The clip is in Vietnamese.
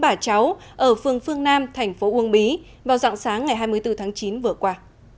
bà cháu ở phường phương nam thành phố uông bí vào dạng sáng ngày hai mươi bốn tháng chín vừa qua